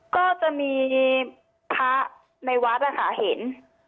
ก็จะมีพระในวัดนะคะเห็น